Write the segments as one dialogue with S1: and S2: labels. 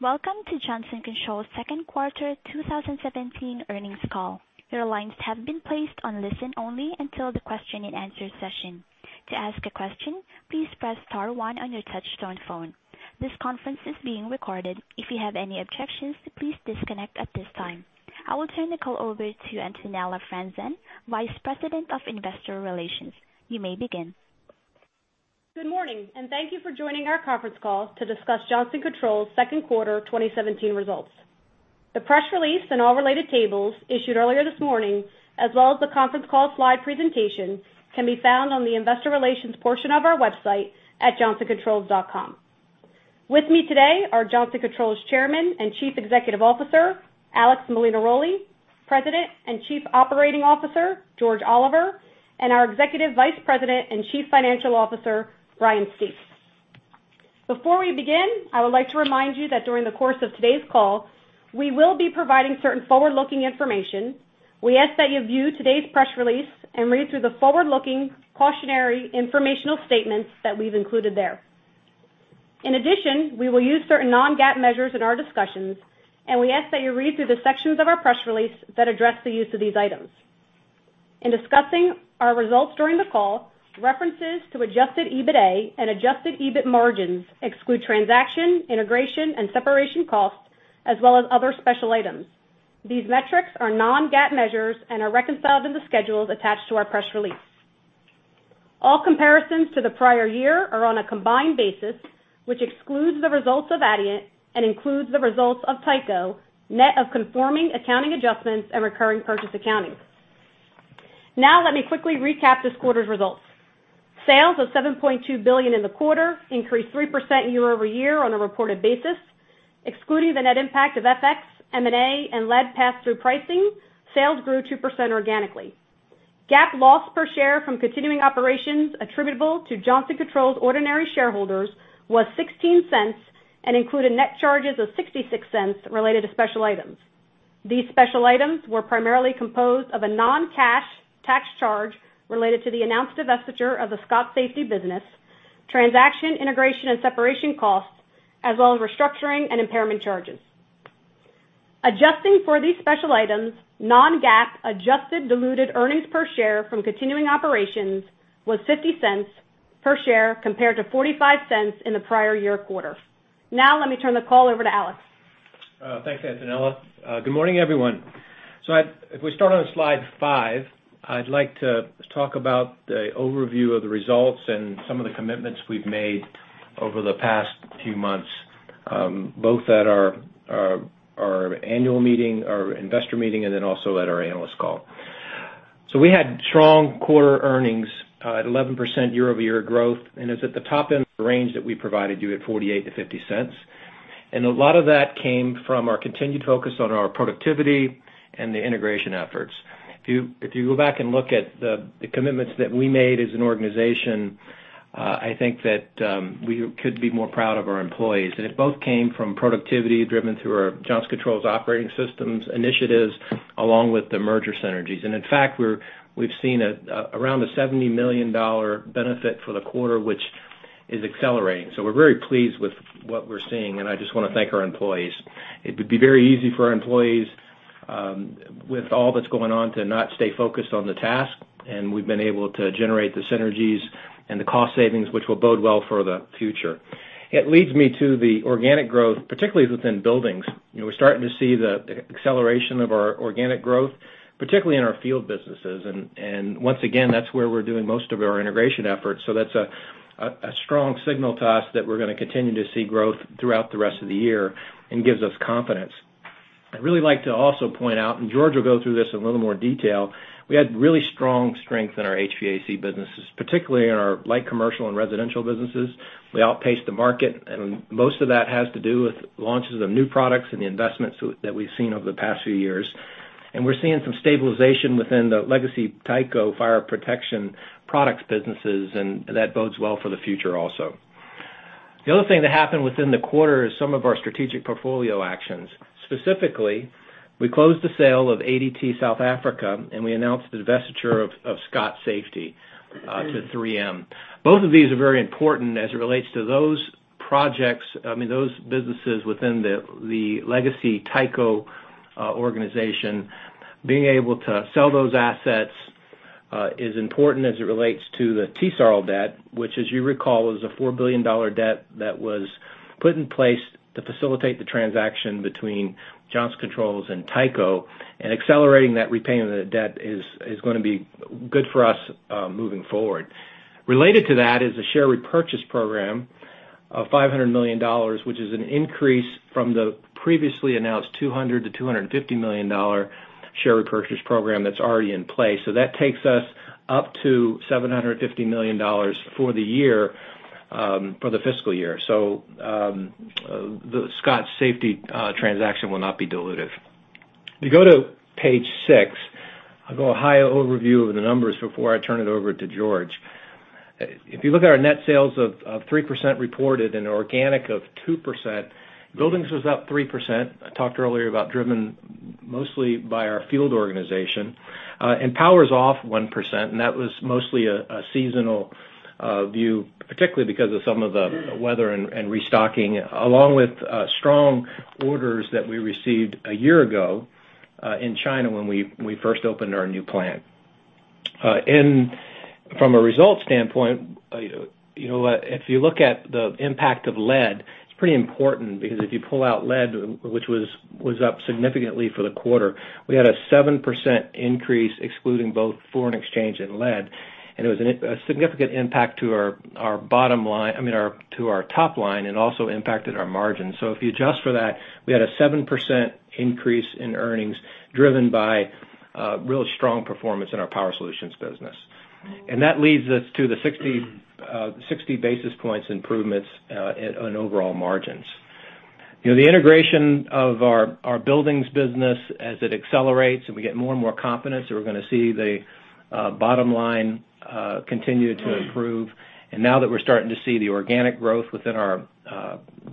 S1: Welcome to Johnson Controls second quarter 2017 earnings call. Your lines have been placed on listen-only until the question and answer session. To ask a question, please press star one on your touchtone phone. This conference is being recorded. If you have any objections, please disconnect at this time. I will turn the call over to Antonella Franzen, Vice President of Investor Relations. You may begin.
S2: Good morning, thank you for joining our conference call to discuss Johnson Controls second quarter 2017 results. The press release and all related tables issued earlier this morning, as well as the conference call slide presentation, can be found on the investor relations portion of our website at johnsoncontrols.com. With me today are Johnson Controls Chairman and Chief Executive Officer, Alex Molinaroli; President and Chief Operating Officer, George Oliver; and our Executive Vice President and Chief Financial Officer, Brian Stief. Before we begin, I would like to remind you that during the course of today's call, we will be providing certain forward-looking information. We ask that you view today's press release and read through the forward-looking cautionary informational statements that we've included there. In addition, we will use certain non-GAAP measures in our discussions, and we ask that you read through the sections of our press release that address the use of these items. In discussing our results during the call, references to adjusted EBITA and adjusted EBIT margins exclude transaction, integration, and separation costs, as well as other special items. These metrics are non-GAAP measures and are reconciled in the schedules attached to our press release. All comparisons to the prior year are on a combined basis, which excludes the results of Adient and includes the results of Tyco, net of conforming accounting adjustments and recurring purchase accounting. Let me quickly recap this quarter's results. Sales of $7.2 billion in the quarter increased 3% year-over-year on a reported basis. Excluding the net impact of FX, M&A, and lead pass-through pricing, sales grew 2% organically. GAAP loss per share from continuing operations attributable to Johnson Controls' ordinary shareholders was $0.16 and included net charges of $0.66 related to special items. These special items were primarily composed of a non-cash tax charge related to the announced divestiture of the Scott Safety business, transaction, integration, and separation costs, as well as restructuring and impairment charges. Adjusting for these special items, non-GAAP adjusted diluted earnings per share from continuing operations was $0.50 per share compared to $0.45 in the prior year quarter. Let me turn the call over to Alex.
S3: Thanks, Antonella. Good morning, everyone. If we start on slide five, I'd like to talk about the overview of the results and some of the commitments we've made over the past few months, both at our annual meeting, our investor meeting, and also at our analyst call. We had strong quarter earnings at 11% year-over-year growth, and it's at the top end of the range that we provided you at $0.48 to $0.50. A lot of that came from our continued focus on our productivity and the integration efforts. If you go back and look at the commitments that we made as an organization, I think that we could be more proud of our employees. It both came from productivity driven through our Johnson Controls Operating System initiatives, along with the merger synergies. In fact, we've seen around a $70 million benefit for the quarter, which is accelerating. We're very pleased with what we're seeing, and I just want to thank our employees. It would be very easy for our employees, with all that's going on, to not stay focused on the task, and we've been able to generate the synergies and the cost savings, which will bode well for the future. It leads me to the organic growth, particularly within buildings. We're starting to see the acceleration of our organic growth, particularly in our field businesses. Once again, that's where we're doing most of our integration efforts. That's a strong signal to us that we're going to continue to see growth throughout the rest of the year and gives us confidence. I'd really like to also point out, George will go through this in a little more detail, we had really strong strength in our HVAC businesses, particularly in our light commercial and residential businesses. We outpaced the market, most of that has to do with launches of new products and the investments that we've seen over the past few years. We're seeing some stabilization within the legacy Tyco fire protection products businesses, and that bodes well for the future also. The other thing that happened within the quarter is some of our strategic portfolio actions. Specifically, we closed the sale of ADT South Africa, and we announced the divestiture of Scott Safety to 3M. Both of these are very important as it relates to those projects, I mean those businesses within the legacy Tyco organization. Being able to sell those assets is important as it relates to the TSARL debt, which as you recall, was a $4 billion debt that was put in place to facilitate the transaction between Johnson Controls and Tyco, and accelerating that repayment of the debt is going to be good for us moving forward. Related to that is a share repurchase program of $500 million, which is an increase from the previously announced $200 to $250 million share repurchase program that's already in place. That takes us up to $750 million for the fiscal year. The Scott Safety transaction will not be dilutive. If you go to page six, I'll go a high overview of the numbers before I turn it over to George. If you look at our net sales of 3% reported and an organic of 2%, buildings was up 3%. I talked earlier about driven by Mostly by our field organization. Power's off 1%, and that was mostly a seasonal view, particularly because of some of the weather and restocking, along with strong orders that we received a year ago, in China when we first opened our new plant. From a results standpoint, if you look at the impact of lead, it's pretty important because if you pull out lead, which was up significantly for the quarter, we had a 7% increase excluding both foreign exchange and lead. It was a significant impact to our top line, and also impacted our margin. If you adjust for that, we had a 7% increase in earnings driven by real strong performance in our Power Solutions business. That leads us to the 60 basis points improvements on overall margins. The integration of our buildings business as it accelerates and we get more and more confidence that we're going to see the bottom line continue to improve. Now that we're starting to see the organic growth within our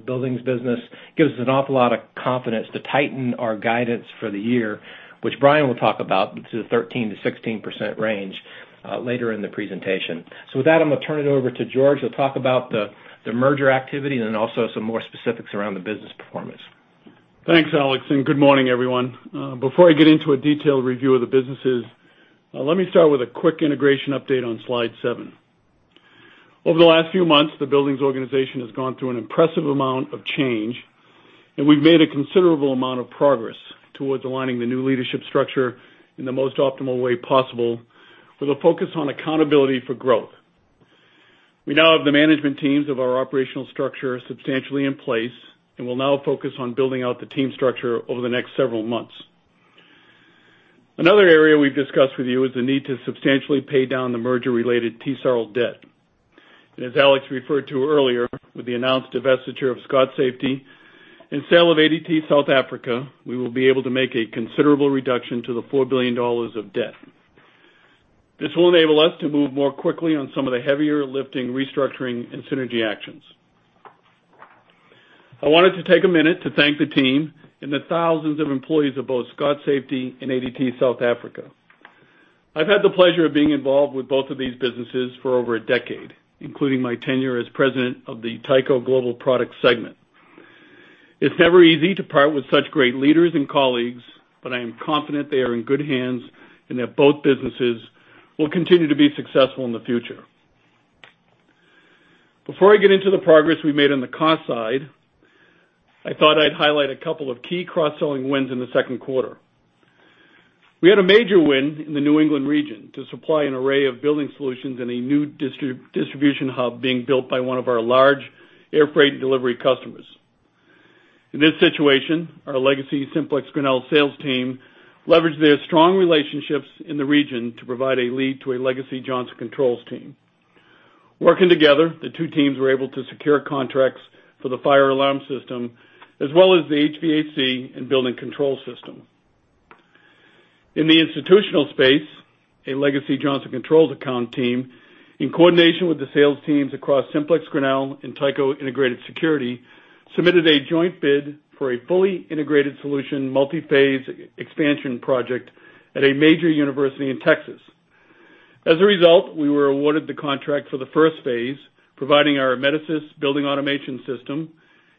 S3: buildings business, gives us an awful lot of confidence to tighten our guidance for the year, which Brian will talk about, to the 13%-16% range, later in the presentation. With that, I'm going to turn it over to George who'll talk about the merger activity and then also some more specifics around the business performance.
S4: Thanks, Alex, and good morning, everyone. Before I get into a detailed review of the businesses, let me start with a quick integration update on slide seven. Over the last few months, the buildings organization has gone through an impressive amount of change, and we've made a considerable amount of progress towards aligning the new leadership structure in the most optimal way possible with a focus on accountability for growth. We now have the management teams of our operational structure substantially in place, and we'll now focus on building out the team structure over the next several months. Another area we've discussed with you is the need to substantially pay down the merger-related TSARL debt. As Alex referred to earlier, with the announced divestiture of Scott Safety and sale of ADT South Africa, we will be able to make a considerable reduction to the $4 billion of debt. This will enable us to move more quickly on some of the heavier lifting, restructuring, and synergy actions. I wanted to take a minute to thank the team and the thousands of employees of both Scott Safety and ADT South Africa. I've had the pleasure of being involved with both of these businesses for over a decade, including my tenure as president of the Tyco Global Products segment. It's never easy to part with such great leaders and colleagues, but I am confident they are in good hands and that both businesses will continue to be successful in the future. Before I get into the progress we made on the cost side, I thought I'd highlight a couple of key cross-selling wins in the second quarter. We had a major win in the New England region to supply an array of building solutions in a new distribution hub being built by one of our large air freight delivery customers. In this situation, our legacy SimplexGrinnell sales team leveraged their strong relationships in the region to provide a lead to a legacy Johnson Controls team. Working together, the two teams were able to secure contracts for the fire alarm system as well as the HVAC and building control system. In the institutional space, a legacy Johnson Controls account team, in coordination with the sales teams across SimplexGrinnell and Tyco Integrated Security, submitted a joint bid for a fully integrated solution multiphase expansion project at a major university in Texas. As a result, we were awarded the contract for the first phase, providing our Metasys building automation system,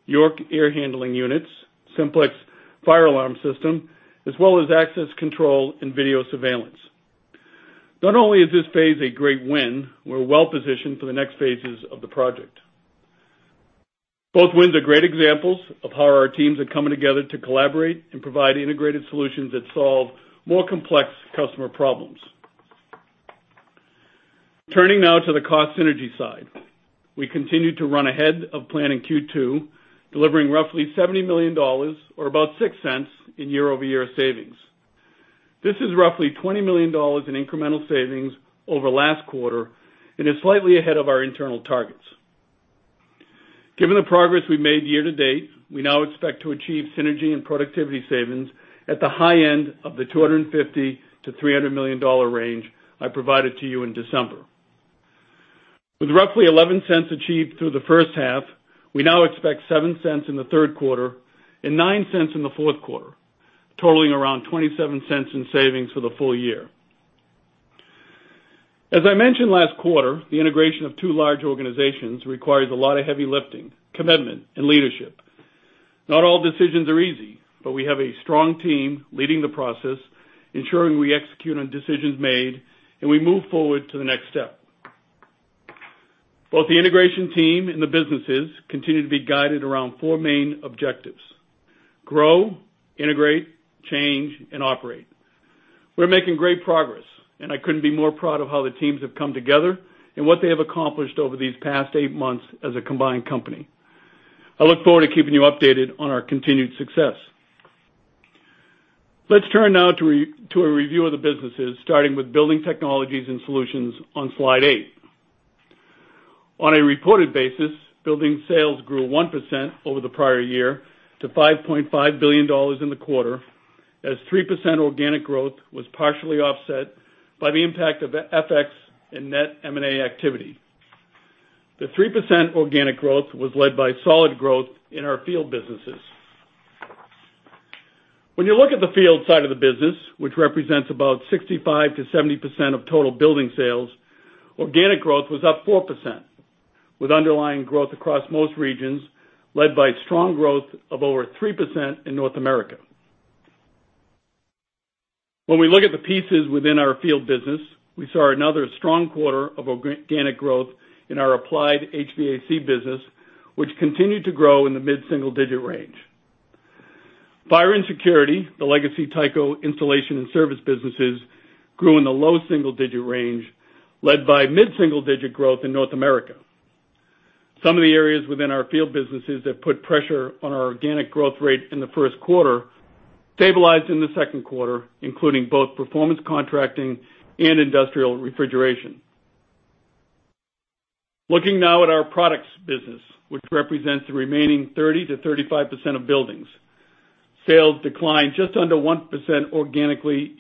S4: York air handling units, Simplex fire alarm system, as well as access control and video surveillance. Not only is this phase a great win, we're well positioned for the next phases of the project. Both wins are great examples of how our teams are coming together to collaborate and provide integrated solutions that solve more complex customer problems. Turning now to the cost synergy side. We continued to run ahead of plan in Q2, delivering roughly $70 million, or about $0.06 in year-over-year savings. This is roughly $20 million in incremental savings over last quarter and is slightly ahead of our internal targets. Given the progress we've made year to date, we now expect to achieve synergy and productivity savings at the high end of the $250 million-$300 million range I provided to you in December. With roughly $0.11 achieved through the first half, we now expect $0.07 in the third quarter and $0.09 in the fourth quarter, totaling around $0.27 in savings for the full year. As I mentioned last quarter, the integration of two large organizations requires a lot of heavy lifting, commitment, and leadership. Not all decisions are easy, but we have a strong team leading the process, ensuring we execute on decisions made, and we move forward to the next step. Both the integration team and the businesses continue to be guided around four main objectives: grow, integrate, change, and operate. We're making great progress, and I couldn't be more proud of how the teams have come together and what they have accomplished over these past eight months as a combined company. I look forward to keeping you updated on our continued success. Let's turn now to a review of the businesses, starting with building technologies and solutions on slide eight. On a reported basis, building sales grew 1% over the prior year to $5.5 billion in the quarter as 3% organic growth was partially offset by the impact of FX and net M&A activity. The 3% organic growth was led by solid growth in our field businesses. When you look at the field side of the business, which represents about 65%-70% of total buildings sales, organic growth was up 4%, with underlying growth across most regions, led by strong growth of over 3% in North America. When we look at the pieces within our field business, we saw another strong quarter of organic growth in our applied HVAC business, which continued to grow in the mid-single digit range. Fire and security, the legacy Tyco installation and service businesses, grew in the low single digit range, led by mid-single digit growth in North America. Some of the areas within our field businesses that put pressure on our organic growth rate in the first quarter stabilized in the second quarter, including both performance contracting and industrial refrigeration. Looking now at our products business, which represents the remaining 30%-35% of buildings. Sales declined just under 1% year-over-year organically,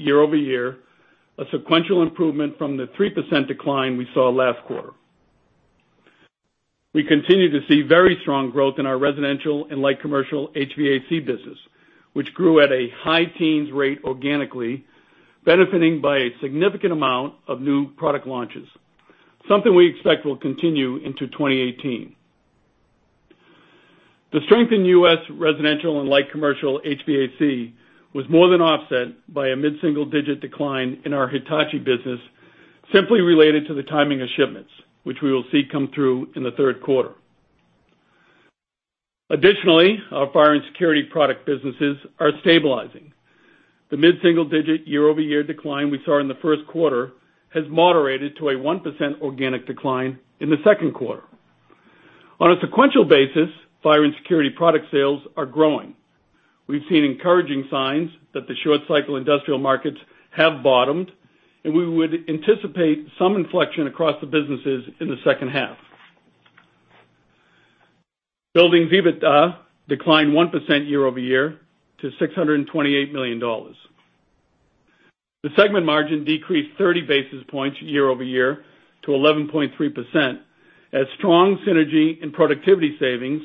S4: a sequential improvement from the 3% decline we saw last quarter. We continue to see very strong growth in our residential and light commercial HVAC business, which grew at a high teens rate organically, benefiting by a significant amount of new product launches, something we expect will continue into 2018. The strength in U.S. residential and light commercial HVAC was more than offset by a mid-single digit decline in our Hitachi business, simply related to the timing of shipments, which we will see come through in the third quarter. Additionally, our fire and security product businesses are stabilizing. The mid-single digit year-over-year decline we saw in the first quarter has moderated to a 1% organic decline in the second quarter. On a sequential basis, fire and security product sales are growing. We've seen encouraging signs that the short cycle industrial markets have bottomed, we would anticipate some inflection across the businesses in the second half. Buildings EBITDA declined 1% year-over-year to $628 million. The segment margin decreased 30 basis points year-over-year to 11.3% as strong synergy and productivity savings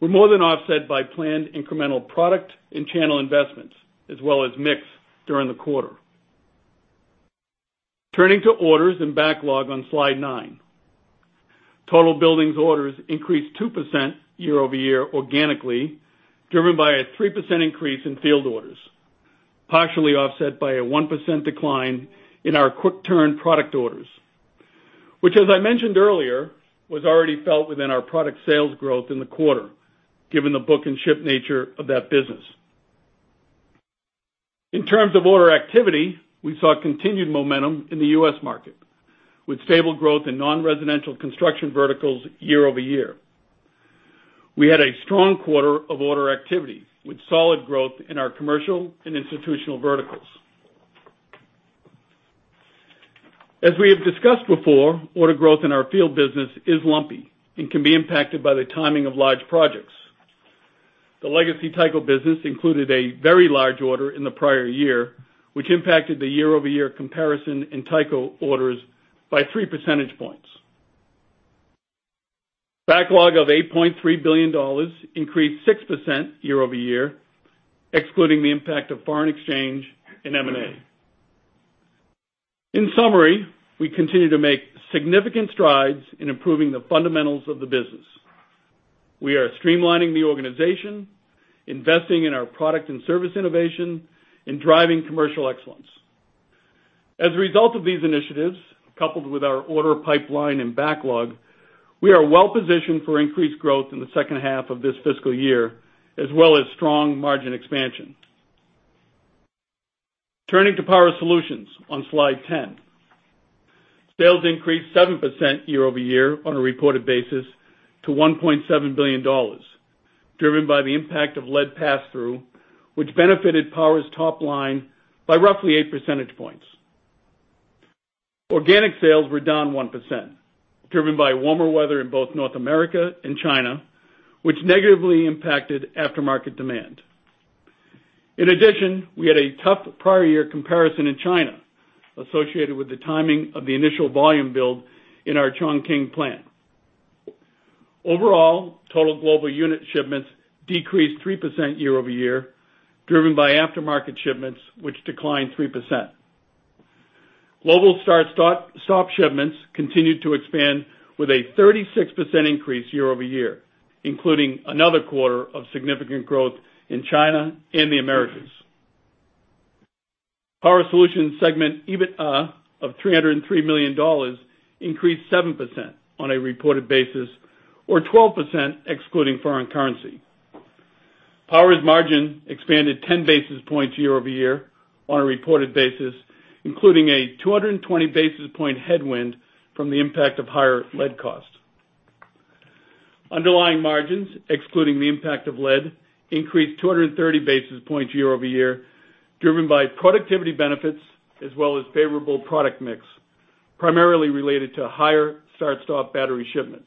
S4: were more than offset by planned incremental product and channel investments, as well as mix during the quarter. Turning to orders and backlog on slide nine. Total buildings orders increased 2% year-over-year organically, driven by a 3% increase in field orders, partially offset by a 1% decline in our quick turn product orders, which as I mentioned earlier, was already felt within our product sales growth in the quarter given the book and ship nature of that business. In terms of order activity, we saw continued momentum in the U.S. market with stable growth in non-residential construction verticals year-over-year. We had a strong quarter of order activity with solid growth in our commercial and institutional verticals. As we have discussed before, order growth in our field business is lumpy and can be impacted by the timing of large projects. The legacy Tyco business included a very large order in the prior year, which impacted the year-over-year comparison in Tyco orders by three percentage points. Backlog of $8.3 billion increased 6% year-over-year, excluding the impact of foreign exchange and M&A. In summary, we continue to make significant strides in improving the fundamentals of the business. We are streamlining the organization, investing in our product and service innovation, and driving commercial excellence. As a result of these initiatives, coupled with our order pipeline and backlog, we are well positioned for increased growth in the second half of this fiscal year, as well as strong margin expansion. Turning to Power Solutions on slide 10. Sales increased 7% year-over-year on a reported basis to $1.7 billion, driven by the impact of lead pass-through, which benefited Power Solutions' top line by roughly eight percentage points. Organic sales were down 1%, driven by warmer weather in both North America and China, which negatively impacted aftermarket demand. In addition, we had a tough prior year comparison in China associated with the timing of the initial volume build in our Chongqing plant. Overall, total global unit shipments decreased 3% year-over-year, driven by aftermarket shipments, which declined 3%. Global start-stop shipments continued to expand with a 36% increase year-over-year, including another quarter of significant growth in China and the Americas. Power Solutions segment EBITDA of $303 million increased 7% on a reported basis or 12% excluding foreign currency. Power Solutions' margin expanded 10 basis points year-over-year on a reported basis, including a 220 basis point headwind from the impact of higher lead costs. Underlying margins, excluding the impact of lead, increased 230 basis points year-over-year, driven by productivity benefits as well as favorable product mix, primarily related to higher start-stop battery shipments.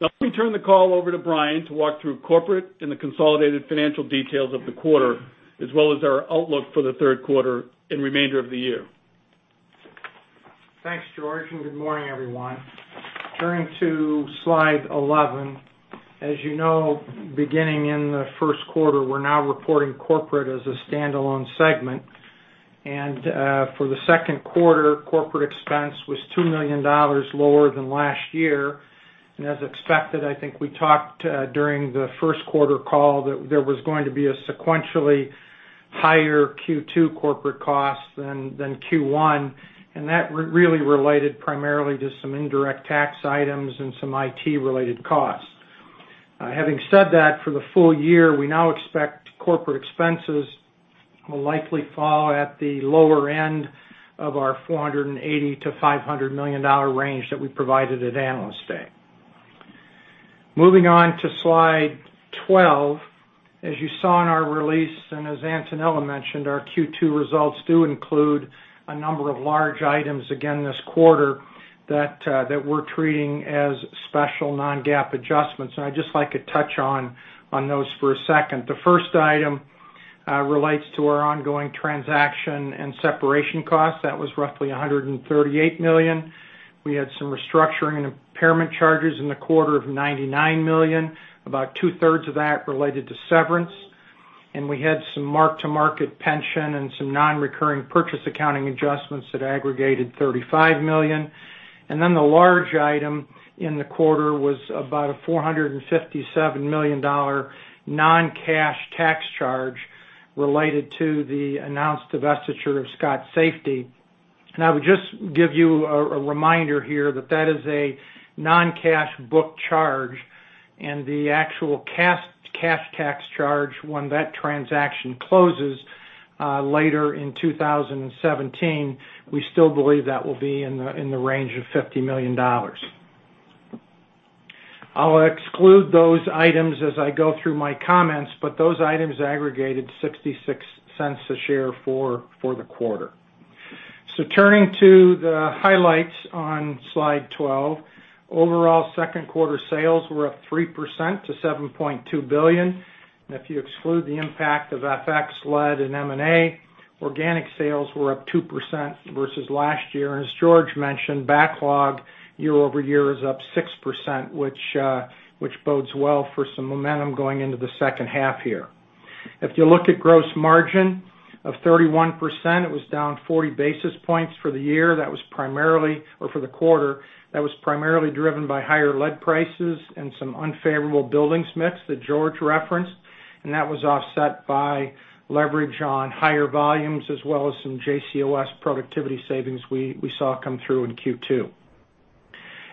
S4: Let me turn the call over to Brian to walk through corporate and the consolidated financial details of the quarter, as well as our outlook for the third quarter and remainder of the year.
S5: Thanks, George. Good morning, everyone. Turning to Slide 11. As you know, beginning in the first quarter, we're now reporting corporate as a standalone segment. For the second quarter, corporate expense was $2 million lower than last year. As expected, I think we talked during the first quarter call that there was going to be a sequentially higher Q2 corporate cost than Q1, and that really related primarily to some indirect tax items and some IT-related costs. Having said that, for the full year, we now expect corporate expenses will likely fall at the lower end of our $480 million-$500 million range that we provided at Analyst Day. Moving on to Slide 12. As you saw in our release, as Antonella mentioned, our Q2 results do include a number of large items again this quarter that we're treating as special non-GAAP adjustments. I'd just like to touch on those for a second. The first item relates to our ongoing transaction and separation costs. That was roughly $138 million. We had some restructuring and impairment charges in the quarter of $99 million, about two-thirds of that related to severance. We had some mark-to-market pension and some non-recurring purchase accounting adjustments that aggregated $35 million. The large item in the quarter was about a $457 million non-cash tax charge related to the announced divestiture of Scott Safety. I would just give you a reminder here that that is a non-cash book charge and the actual cash tax charge when that transaction closes later in 2017, we still believe that will be in the range of $50 million. I'll exclude those items as I go through my comments, but those items aggregated $0.66 a share for the quarter. Turning to the highlights on Slide 12. Overall second quarter sales were up 3% to $7.2 billion. If you exclude the impact of FX, lead, and M&A, organic sales were up 2% versus last year. As George mentioned, backlog year-over-year is up 6%, which bodes well for some momentum going into the second half here. If you look at gross margin of 31%, it was down 40 basis points for the quarter. That was primarily driven by higher lead prices and some unfavorable buildings mix that George referenced, and that was offset by leverage on higher volumes as well as some JCOS productivity savings we saw come through in Q2.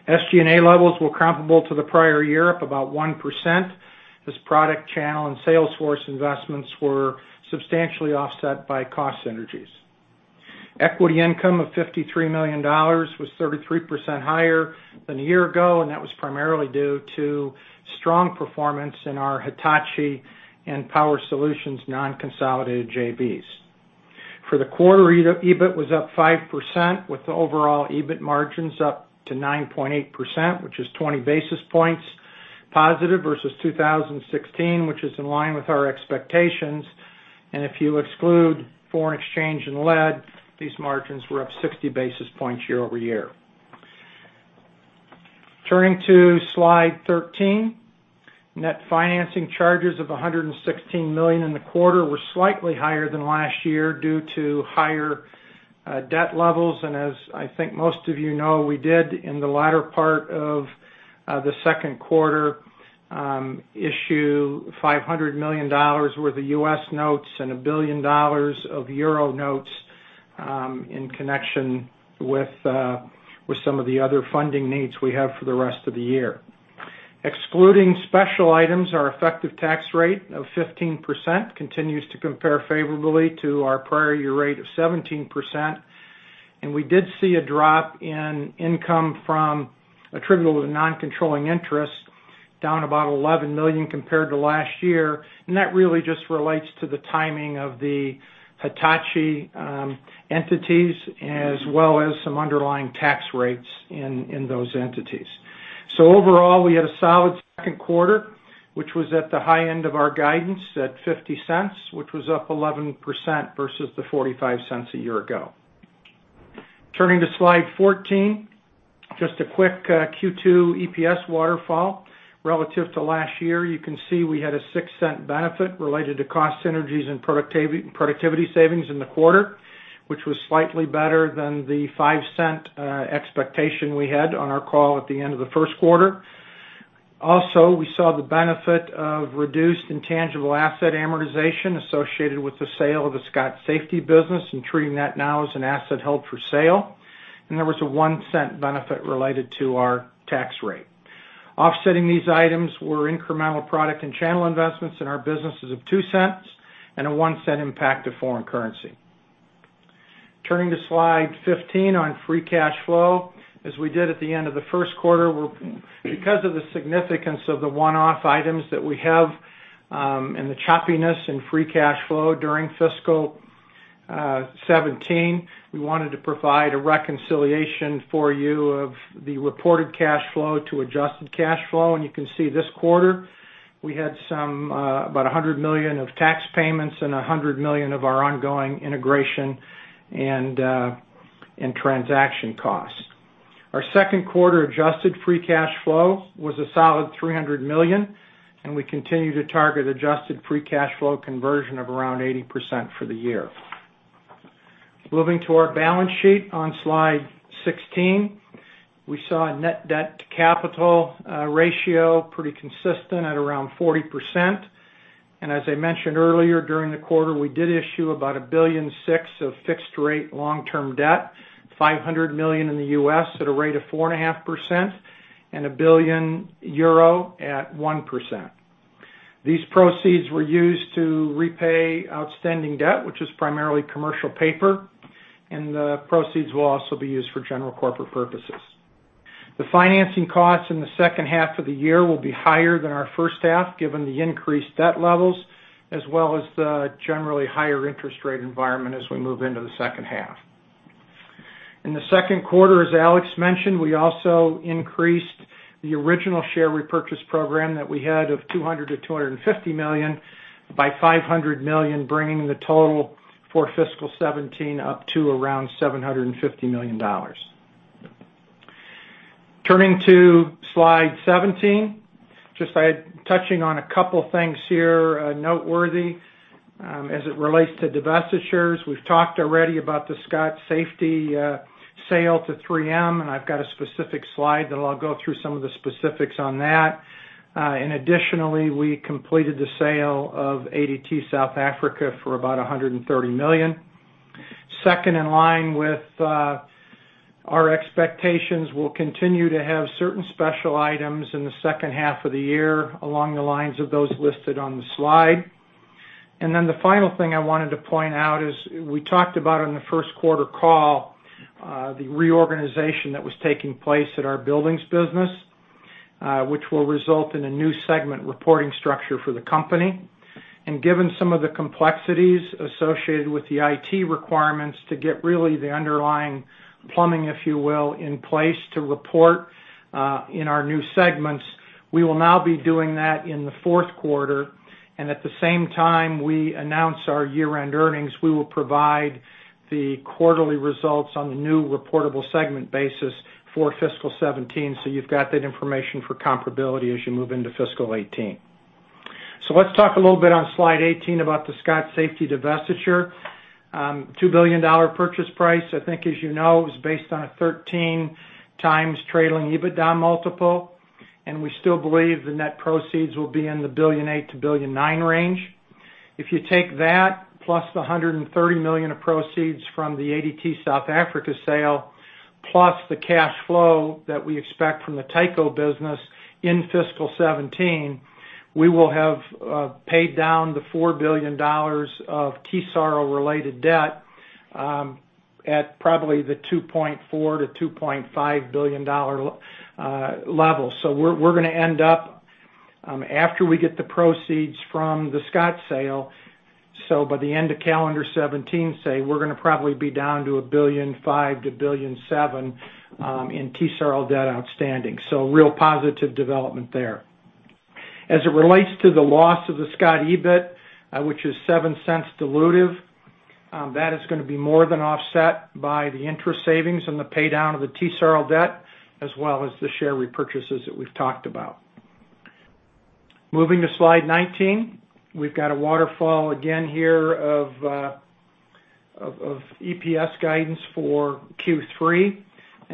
S5: SG&A levels were comparable to the prior year, up about 1% as product channel and sales force investments were substantially offset by cost synergies. Equity income of $53 million was 33% higher than a year ago, that was primarily due to strong performance in our Hitachi and Power Solutions non-consolidated JVs. For the quarter, EBIT was up 5% with the overall EBIT margins up to 9.8%, which is 20 basis points positive versus 2016, which is in line with our expectations. If you exclude foreign exchange and lead, these margins were up 60 basis points year-over-year. Turning to Slide 13. Net financing charges of $116 million in the quarter were slightly higher than last year due to higher debt levels. As I think most of you know, we did in the latter part of the second quarter issue $500 million worth of U.S. notes and EUR 1 billion of notes in connection with some of the other funding needs we have for the rest of the year. Excluding special items, our effective tax rate of 15% continues to compare favorably to our prior year rate of 17%. We did see a drop in income from attributable to non-controlling interests down about $11 million compared to last year. That really just relates to the timing of the Hitachi entities as well as some underlying tax rates in those entities. Overall, we had a solid second quarter, which was at the high end of our guidance at $0.50, which was up 11% versus the $0.45 a year ago. Turning to Slide 14, just a quick Q2 EPS waterfall relative to last year. You can see we had a $0.06 benefit related to cost synergies and productivity savings in the quarter, which was slightly better than the $0.05 expectation we had on our call at the end of the first quarter. Also, we saw the benefit of reduced intangible asset amortization associated with the sale of the Scott Safety business and treating that now as an asset held for sale. There was a $0.01 benefit related to our tax rate. Offsetting these items were incremental product and channel investments in our businesses of $0.02 and a $0.01 impact of foreign currency. Turning to Slide 15 on free cash flow. As we did at the end of the first quarter, because of the significance of the one-off items that we have and the choppiness in free cash flow during fiscal 2017. We wanted to provide a reconciliation for you of the reported cash flow to adjusted cash flow. You can see this quarter, we had about $100 million of tax payments and $100 million of our ongoing integration and transaction costs. Our second quarter adjusted free cash flow was a solid $300 million, and we continue to target adjusted free cash flow conversion of around 80% for the year. Moving to our balance sheet on Slide 16. We saw a net debt-to-capital ratio pretty consistent at around 40%. As I mentioned earlier, during the quarter, we did issue about $1.6 billion of fixed rate long-term debt, $500 million in the U.S. at a rate of 4.5% and 1 billion euro at 1%. These proceeds were used to repay outstanding debt, which is primarily commercial paper. The proceeds will also be used for general corporate purposes. The financing costs in the second half of the year will be higher than our first half, given the increased debt levels as well as the generally higher interest rate environment as we move into the second half. In the second quarter, as Alex mentioned, we also increased the original share repurchase program that we had of $200 million-$250 million by $500 million, bringing the total for fiscal 2017 up to around $750 million. Turning to Slide 17. Just touching on a couple things here noteworthy as it relates to divestitures. We've talked already about the Scott Safety sale to 3M. I've got a specific slide that I'll go through some of the specifics on that. Additionally, we completed the sale of ADT South Africa for about $130 million. Second, in line with our expectations, we'll continue to have certain special items in the second half of the year along the lines of those listed on the slide. The final thing I wanted to point out is we talked about in the first quarter call, the reorganization that was taking place at our buildings business, which will result in a new segment reporting structure for the company. Given some of the complexities associated with the IT requirements to get really the underlying plumbing, if you will, in place to report in our new segments, we will now be doing that in the fourth quarter. At the same time we announce our year-end earnings, we will provide the quarterly results on the new reportable segment basis for fiscal 2017. You've got that information for comparability as you move into fiscal 2018. Let's talk a little bit on Slide 18 about the Scott Safety divestiture. $2 billion purchase price. I think as you know, it was based on a 13 times trailing EBITDA multiple. We still believe the net proceeds will be in the $1.8 billion-$1.9 billion range. If you take that plus the $130 million of proceeds from the ADT South Africa sale, plus the cash flow that we expect from the Tyco business in fiscal 2017, we will have paid down the $4 billion of TSARL-related debt at probably the $2.4 billion-$2.5 billion level. We're going to end up, after we get the proceeds from the Scott sale, by the end of calendar 2017, say, we're going to probably be down to $1.5 billion-$1.7 billion in TSARL debt outstanding. Real positive development there. As it relates to the loss of the Scott EBIT, which is $0.07 dilutive, that is going to be more than offset by the interest savings and the pay-down of the TSARL debt, as well as the share repurchases that we've talked about. Moving to Slide 19. We've got a waterfall again here of EPS guidance for Q3.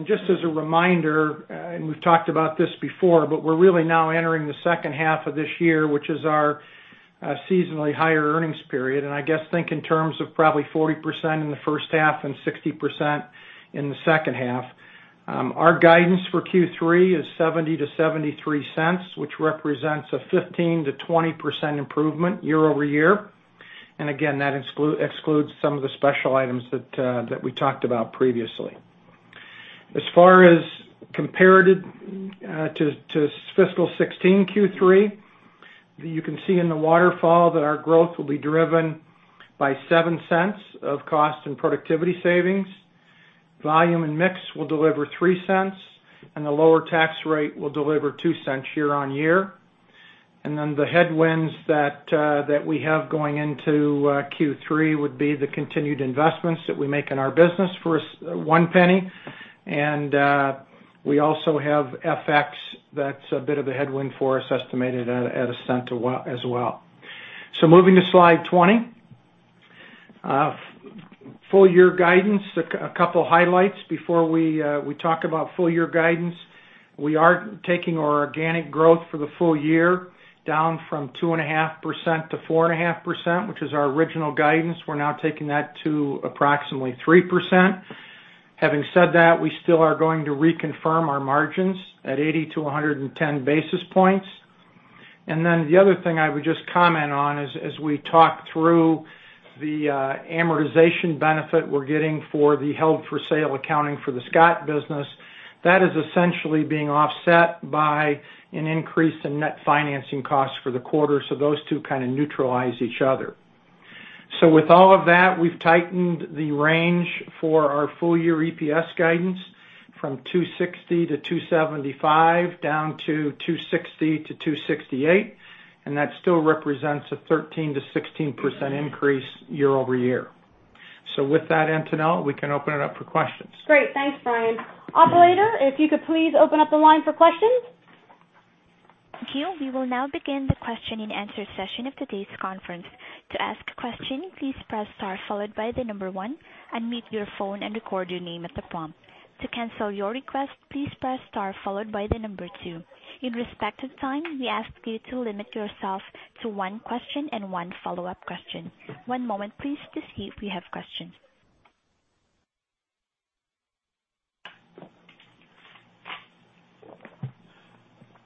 S5: Just as a reminder, and we've talked about this before, but we're really now entering the second half of this year, which is our seasonally higher earnings period. I guess, think in terms of probably 40% in the first half and 60% in the second half. Our guidance for Q3 is $0.70-$0.73, which represents a 15%-20% improvement year-over-year. Again, that excludes some of the special items that we talked about previously. As far as comparative to fiscal 2016 Q3, you can see in the waterfall that our growth will be driven by $0.07 of cost and productivity savings. Volume and mix will deliver $0.03, and the lower tax rate will deliver $0.02 year-on-year. The headwinds that we have going into Q3 would be the continued investments that we make in our business for $0.01. We also have FX. That's a bit of a headwind for us, estimated at $0.01 as well. Moving to Slide 20. Full-year guidance. A couple highlights before we talk about full-year guidance. We are taking our organic growth for the full year down from 2.5%-4.5%, which is our original guidance. We're now taking that to approximately 3%. Having said that, we still are going to reconfirm our margins at 80-110 basis points. The other thing I would just comment on is as we talk through the amortization benefit we're getting for the held-for-sale accounting for the Scott business. That is essentially being offset by an increase in net financing costs for the quarter. Those two kind of neutralize each other. With all of that, we've tightened the range for our full-year EPS guidance from $2.60-$2.75 down to $2.60-$2.68, and that still represents a 13%-16% increase year-over-year. With that, Antonella, we can open it up for questions.
S2: Great. Thanks, Brian. Operator, if you could please open up the line for questions.
S1: Thank you. We will now begin the question and answer session of today's conference. To ask a question, please press star followed by the number one and mute your phone and record your name at the prompt. To cancel your request, please press star followed by the number two. In respect of time, we ask you to limit yourself to one question and one follow-up question. One moment, please, to see if we have questions.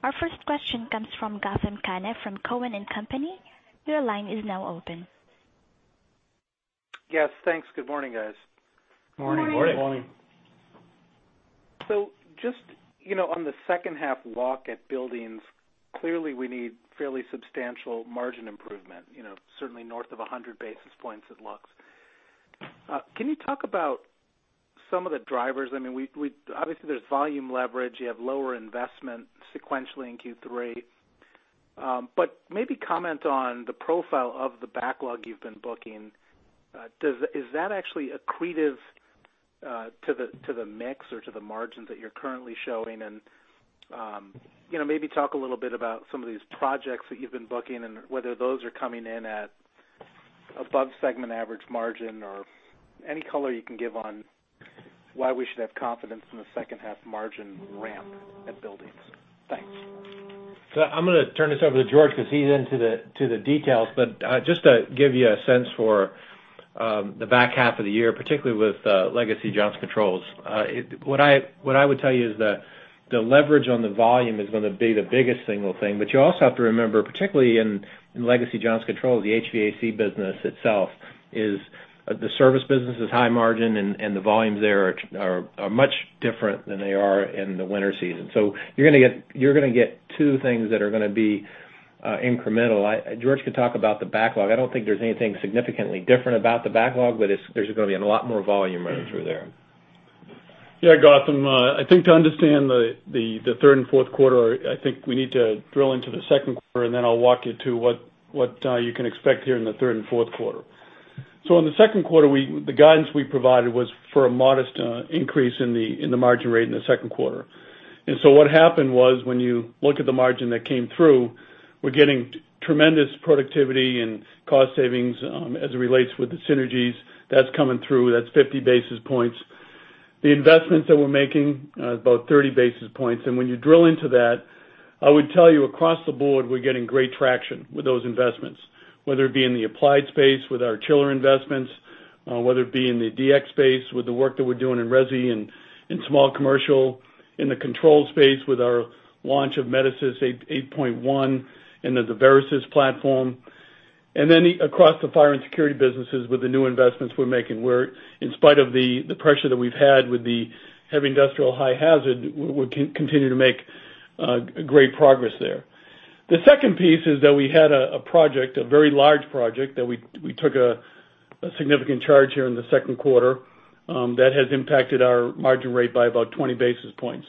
S1: Our first question comes from Gautam Khanna from Cowen and Company. Your line is now open.
S6: Yes. Thanks. Good morning, guys.
S3: Morning.
S2: Good morning.
S6: Just on the second half walk at buildings, clearly we need fairly substantial margin improvement, certainly north of 100 basis points at Lux. Can you talk about some of the drivers? Obviously, there's volume leverage. You have lower investment sequentially in Q3. Maybe comment on the profile of the backlog you've been booking. Is that actually accretive to the mix or to the margins that you're currently showing? Maybe talk a little bit about some of these projects that you've been booking and whether those are coming in at above segment average margin or any color you can give on why we should have confidence in the second half margin ramp at Buildings. Thanks.
S3: I'm going to turn this over to George because he's into the details. Just to give you a sense for the back half of the year, particularly with legacy Johnson Controls. What I would tell you is that the leverage on the volume is going to be the biggest single thing. You also have to remember, particularly in legacy Johnson Controls, the HVAC business itself is the service business is high margin and the volumes there are much different than they are in the winter season. You're going to get two things that are going to be incremental. George can talk about the backlog. I don't think there's anything significantly different about the backlog. There's going to be a lot more volume running through there.
S4: Yeah. Gautam, I think to understand the third and fourth quarter, I think we need to drill into the second quarter, then I'll walk you to what you can expect here in the third and fourth quarter. In the second quarter, the guidance we provided was for a modest increase in the margin rate in the second quarter. What happened was when you look at the margin that came through, we're getting tremendous productivity and cost savings as it relates with the synergies that's coming through. That's 50 basis points. The investments that we're making, about 30 basis points. When you drill into that, I would tell you across the board, we're getting great traction with those investments, whether it be in the applied space with our chiller investments, whether it be in the DX space with the work that we're doing in resi and in small commercial, in the control space with our launch of Metasys 8.1 and the Verasys platform. Across the fire and security businesses with the new investments we're making, where in spite of the pressure that we've had with the heavy industrial high hazard, we continue to make great progress there. The second piece is that we had a project, a very large project, that we took a significant charge here in the second quarter that has impacted our margin rate by about 20 basis points.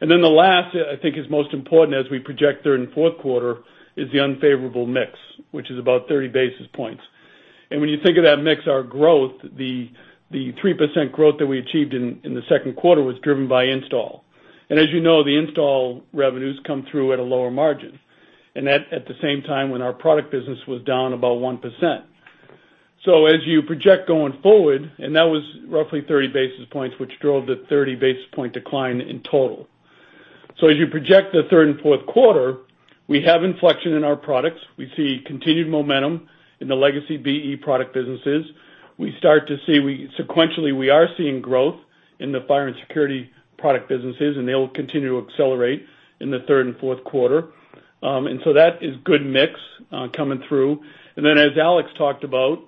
S4: The last, I think is most important as we project third and fourth quarter, is the unfavorable mix, which is about 30 basis points. When you think of that mix, our growth, the 3% growth that we achieved in the second quarter was driven by install. As you know, the install revenues come through at a lower margin. At the same time, when our product business was down about 1%. As you project going forward, that was roughly 30 basis points, which drove the 30 basis point decline in total. As you project the third and fourth quarter, we have inflection in our products. We see continued momentum in the legacy BE product businesses. We start to see sequentially, we are seeing growth in the fire and security product businesses, and they will continue to accelerate in the third and fourth quarter. That is good mix coming through. As Alex talked about,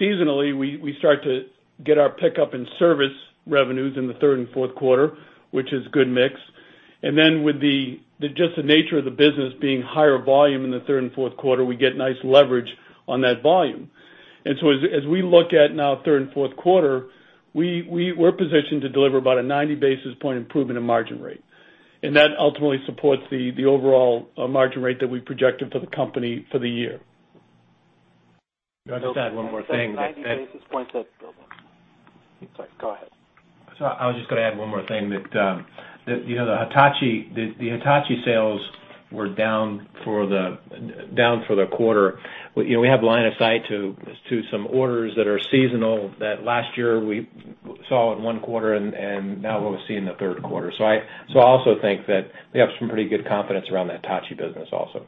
S4: seasonally, we start to get our pickup in service revenues in the third and fourth quarter, which is good mix. With just the nature of the business being higher volume in the third and fourth quarter, we get nice leverage on that volume. As we look at now third and fourth quarter, we're positioned to deliver about a 90 basis point improvement in margin rate. That ultimately supports the overall margin rate that we projected for the company for the year.
S3: Can I just add one more thing?
S6: Sorry, go ahead.
S3: I was just going to add one more thing, that the Hitachi sales were down for the quarter. We have line of sight to some orders that are seasonal that last year we saw in one quarter and now we'll see in the third quarter. I also think that we have some pretty good confidence around the Hitachi business also.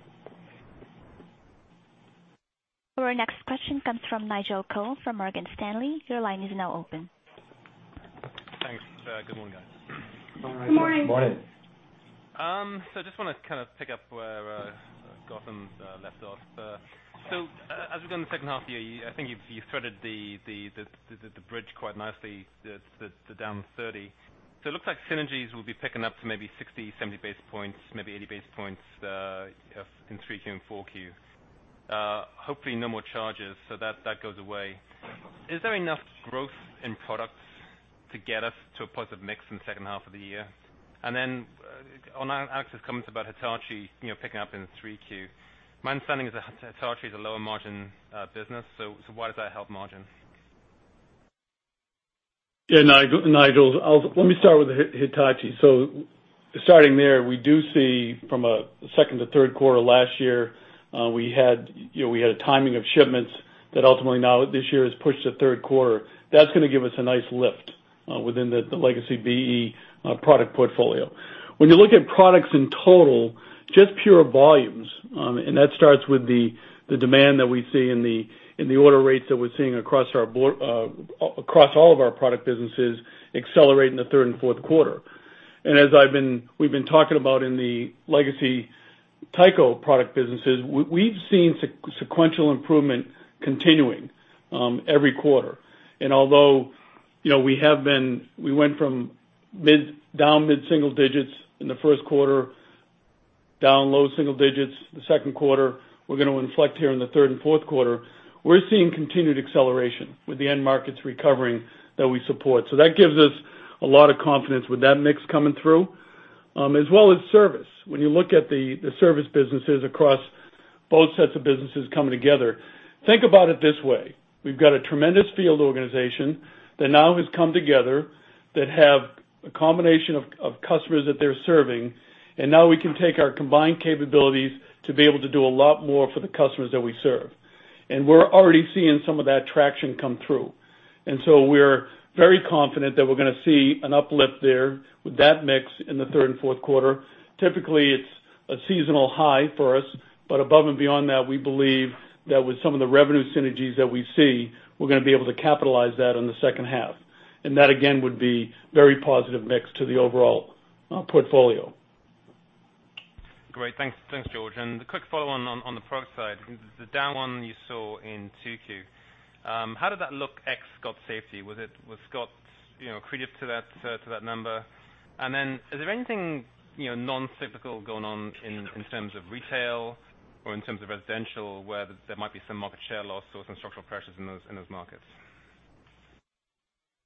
S1: Our next question comes from Nigel Coe from Morgan Stanley. Your line is now open.
S7: Thanks. Good morning, guys.
S3: Good morning.
S7: I just want to kind of pick up where Gautam left off. As we go in the second half of the year, I think you've threaded the bridge quite nicely, the down 30. It looks like synergies will be picking up to maybe 60, 70 basis points, maybe 80 basis points in 3Q and 4Q. Hopefully no more charges, that goes away. Is there enough growth in products to get us to a positive mix in the second half of the year? On Alex's comments about Hitachi picking up in 3Q, my understanding is that Hitachi is a lower margin business, why does that help margin?
S4: Nigel, let me start with Hitachi. Starting there, we do see from a second to third quarter last year, we had a timing of shipments that ultimately now this year has pushed to third quarter. That's going to give us a nice lift within the legacy BE product portfolio. When you look at products in total, just pure volumes, that starts with the demand that we see and the order rates that we're seeing across all of our product businesses accelerate in the third and fourth quarter. As we've been talking about in the legacy Tyco product businesses, we've seen sequential improvement continuing every quarter. Although we went from down mid-single digits in the first quarter, down low single digits the second quarter, we're going to inflect here in the third and fourth quarter, we're seeing continued acceleration with the end markets recovering that we support. That gives us a lot of confidence with that mix coming through, as well as service. When you look at the service businesses across both sets of businesses coming together, think about it this way. We've got a tremendous field organization that now has come together that have a combination of customers that they're serving, and now we can take our combined capabilities to be able to do a lot more for the customers that we serve. We're already seeing some of that traction come through. We're very confident that we're going to see an uplift there with that mix in the third and fourth quarter. Typically, it's a seasonal high for us, above and beyond that, we believe that with some of the revenue synergies that we see, we're going to be able to capitalize that in the second half. That, again, would be very positive mix to the overall portfolio.
S7: Great. Thanks, George. The quick follow on the product side, the down one you saw in 2Q, how did that look ex Scott Safety? Was Scott accretive to that number? Is there anything non-cyclical going on in terms of retail or in terms of residential where there might be some market share loss or some structural pressures in those markets?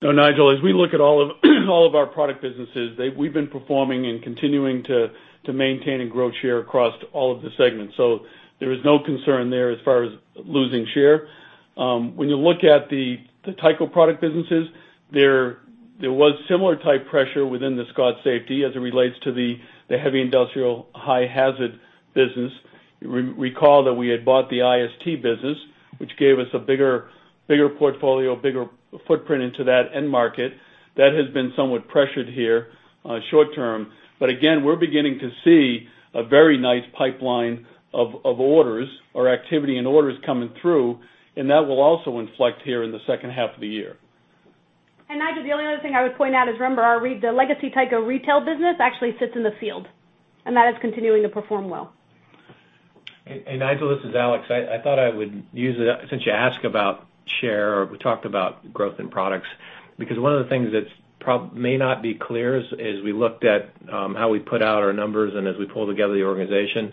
S4: No, Nigel, as we look at all of our product businesses, we've been performing and continuing to maintain and grow share across all of the segments. There is no concern there as far as losing share. When you look at the Tyco product businesses, there was similar type pressure within the Scott Safety as it relates to the heavy industrial high hazard business. Recall that we had bought the IST business, which gave us a bigger portfolio, bigger footprint into that end market. That has been somewhat pressured here short term. Again, we're beginning to see a very nice pipeline of orders or activity in orders coming through, and that will also inflect here in the second half of the year.
S2: Nigel, the only other thing I would point out is remember, the legacy Tyco retail business actually sits in the field, and that is continuing to perform well.
S3: Nigel, this is Alex. I thought I would use it since you asked about share, or we talked about growth in products, because one of the things that may not be clear as we looked at how we put out our numbers and as we pull together the organization,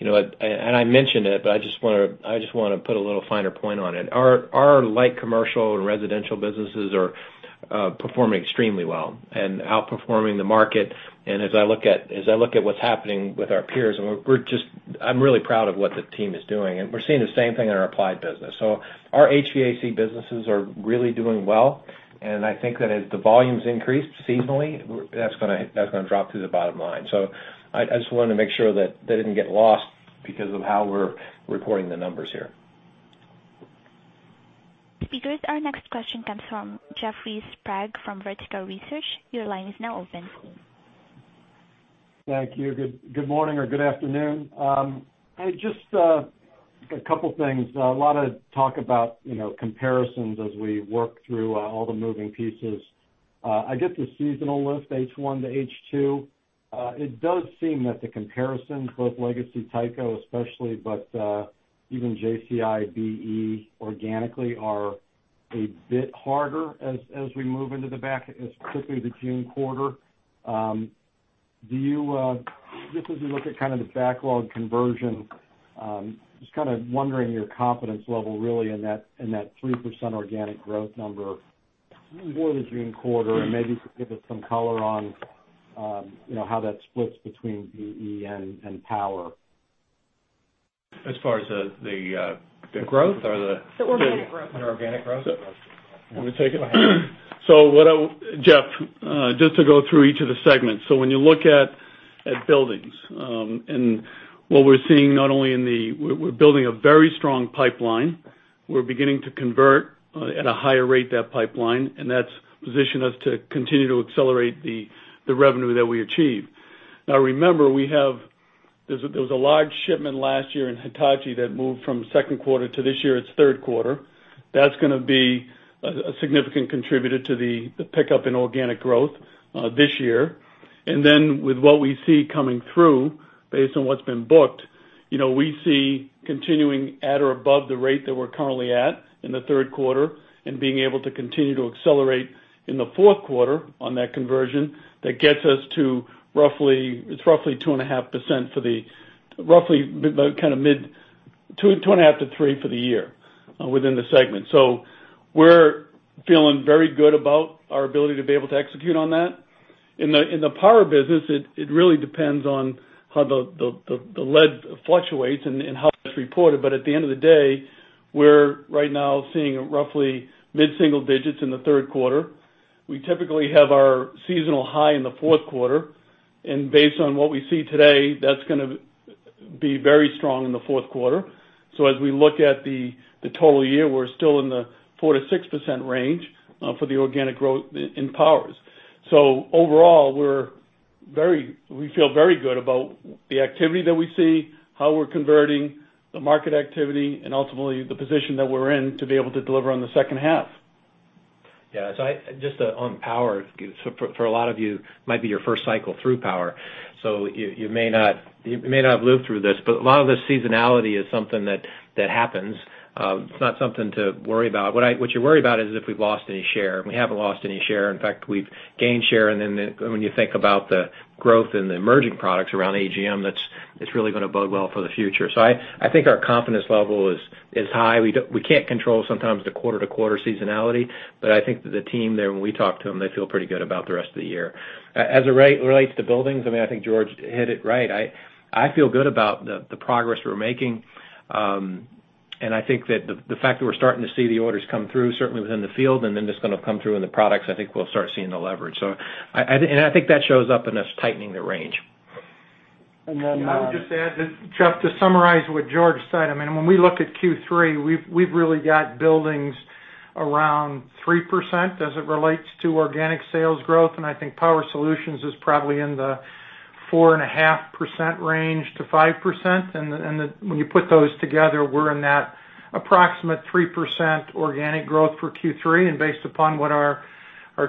S3: and I mentioned it, but I just want to put a little finer point on it. Our light commercial and residential businesses are performing extremely well and outperforming the market. As I look at what's happening with our peers, I'm really proud of what the team is doing, and we're seeing the same thing in our applied business. Our HVAC businesses are really doing well, and I think that as the volumes increase seasonally, that's going to drop to the bottom line. I just wanted to make sure that they didn't get lost because of how we're recording the numbers here.
S1: Speakers, our next question comes from Jeffrey Sprague from Vertical Research. Your line is now open.
S8: Thank you. Good morning or good afternoon. Just a couple things. A lot of talk about comparisons as we work through all the moving pieces. I get the seasonal lift, H1 to H2. It does seem that the comparisons, both legacy Tyco especially, but even JCI, BE organically are a bit harder as we move into the back, especially the June quarter. Just as we look at kind of the backlog conversion, just kind of wondering your confidence level really in that 3% organic growth number for the June quarter, and maybe you could give us some color on how that splits between BE and Power.
S3: As far as the growth or the
S2: The organic growth.
S8: The organic growth.
S4: You want me to take it? Jeff, just to go through each of the segments. When you look at buildings, and what we're seeing, we're building a very strong pipeline. We're beginning to convert at a higher rate that pipeline, and that's positioned us to continue to accelerate the revenue that we achieve. Remember, there was a large shipment last year in Hitachi that moved from second quarter to this year its third quarter. That's going to be a significant contributor to the pickup in organic growth this year. With what we see coming through based on what's been booked, we see continuing at or above the rate that we're currently at in the third quarter, and being able to continue to accelerate in the fourth quarter on that conversion. That gets us to roughly 2.5% for the roughly mid 2.5%-3% for the year within the segment. We're feeling very good about our ability to be able to execute on that. In the power business, it really depends on how the lead fluctuates and how it's reported. At the end of the day, we're right now seeing roughly mid-single digits in the third quarter. We typically have our seasonal high in the fourth quarter, and based on what we see today, that's going to be very strong in the fourth quarter. As we look at the total year, we're still in the 4%-6% range for the organic growth in Power. Overall, we feel very good about the activity that we see, how we're converting the market activity, and ultimately the position that we're in to be able to deliver on the second half.
S3: Just on power, for a lot of you, it might be your first cycle through power. You may not have lived through this, but a lot of this seasonality is something that happens. It's not something to worry about. What you worry about is if we've lost any share. We haven't lost any share. In fact, we've gained share. When you think about the growth in the emerging products around AGM, that's really going to bode well for the future. I think our confidence level is high. We can't control sometimes the quarter-to-quarter seasonality, but I think that the team there, when we talk to them, they feel pretty good about the rest of the year. As it relates to buildings, I think George hit it right. I feel good about the progress we're making. I think that the fact that we're starting to see the orders come through, certainly within the field and then it's going to come through in the products, I think we'll start seeing the leverage. I think that shows up in us tightening the range.
S5: And then, I would just add, Jeff, to summarize what George said, when we look at Q3, we've really got buildings around 3% as it relates to organic sales growth. I think Power Solutions is probably in the 4.5%-5% range. When you put those together, we're in that approximate 3% organic growth for Q3. Based upon what our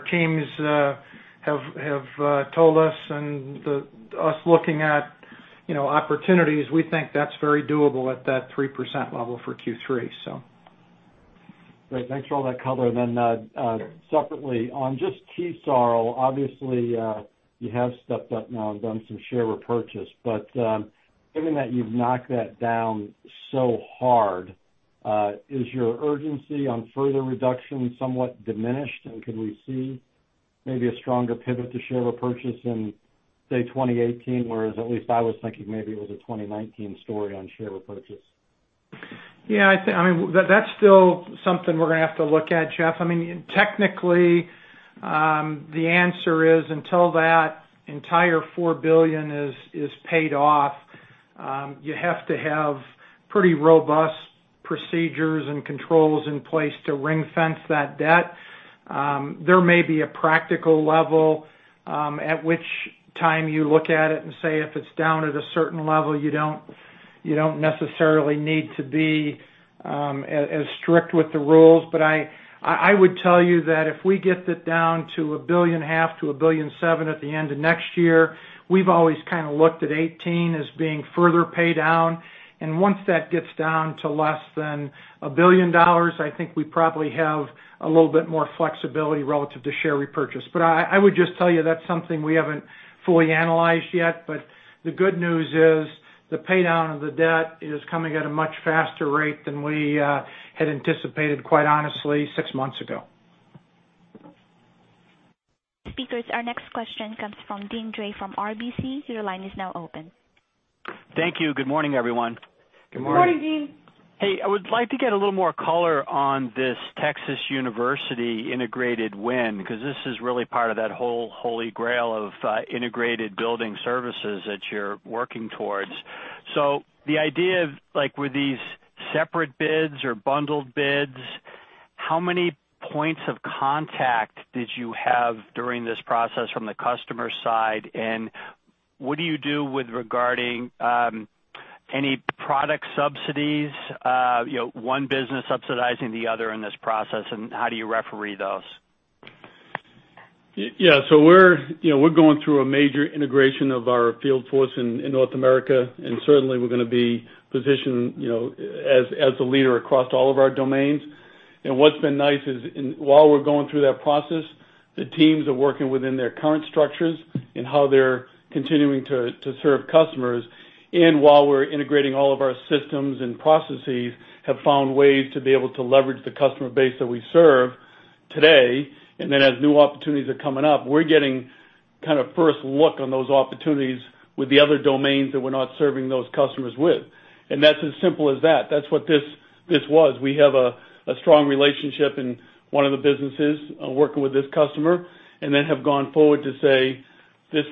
S5: teams have told us and us looking at opportunities, we think that's very doable at that 3% level for Q3.
S8: Great. Thanks for all that color. Separately, on just ASR, obviously, you have stepped up now and done some share repurchase. Given that you've knocked that down so hard, is your urgency on further reduction somewhat diminished? Could we see maybe a stronger pivot to share repurchase in, say, 2018? Whereas at least I was thinking maybe it was a 2019 story on share repurchase.
S5: Yeah. That's still something we're going to have to look at, Jeff. Technically, the answer is until that entire $4 billion is paid off, you have to have pretty robust procedures and controls in place to ring-fence that debt. There may be a practical level at which time you look at it and say, if it's down at a certain level, you don't necessarily need to be as strict with the rules. I would tell you that if we get that down to $1.5 billion-$1.7 billion at the end of next year, we've always kind of looked at 2018 as being further paid down. Once that gets down to less than $1 billion, I think we probably have a little bit more flexibility relative to share repurchase. I would just tell you that's something we haven't fully analyzed yet. The good news is the pay-down of the debt is coming at a much faster rate than we had anticipated, quite honestly, six months ago.
S1: Speakers, our next question comes from Deane Dray from RBC. Your line is now open.
S9: Thank you. Good morning, everyone.
S4: Good morning.
S5: Good morning, Deane.
S9: Hey, I would like to get a little more color on this Texas University integrated win, because this is really part of that whole holy grail of integrated building services that you're working towards. The idea of, like with these separate bids or bundled bids, how many points of contact did you have during this process from the customer side? What do you do with regarding any product subsidies, one business subsidizing the other in this process, and how do you referee those?
S4: Yeah. We're going through a major integration of our field force in North America, certainly we're going to be positioned as a leader across all of our domains. What's been nice is while we're going through that process, the teams are working within their current structures and how they're continuing to serve customers. While we're integrating all of our systems and processes, have found ways to be able to leverage the customer base that we serve today. Then as new opportunities are coming up, we're getting kind of first look on those opportunities with the other domains that we're not serving those customers with. That's as simple as that. That's what this was. We have a strong relationship in one of the businesses working with this customer, then have gone forward to say, "This